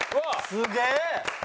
すげえ！